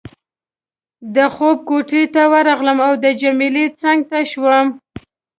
د خوب کوټې ته ورغلم او د جميله څنګ ته شوم.